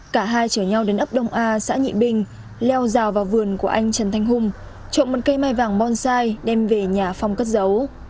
cả hai chở nhau đến ấp đông a xã nhị bình leo rào vào vườn của anh trần thanh hùng trộm một cây mai vàng bonsai đem về nhà phong cất giấu